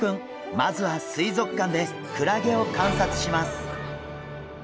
まずは水族館でクラゲを観察します。